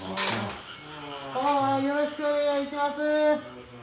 よろしくお願いします。